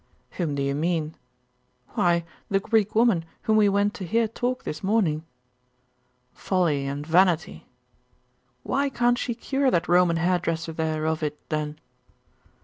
'Whom do you mean?' 'Why, the Greek woman whom we went to hear talk this morning.' 'Folly and vanity.' 'Why can't she cure that Roman hairdresser there of it, then?